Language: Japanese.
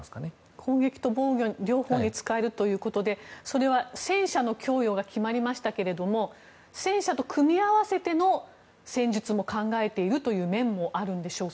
攻撃と防御の両方に使えるということでそれは戦車の供与が決まりましたけれども戦車と組み合わせての戦術も考えているという面もあるんでしょうか？